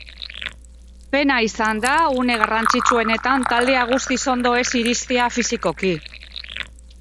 Pena bat izan da une garrantzitsuenetan taldea guztiz ondo ez iristea fisikoki.